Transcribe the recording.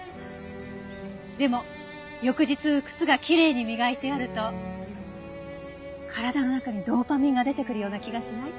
でも翌日靴がきれいに磨いてあると体の中にドーパミンが出てくるような気がしない？